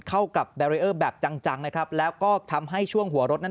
เข้ากับแบรีเออร์แบบจังจังนะครับแล้วก็ทำให้ช่วงหัวรถนั้น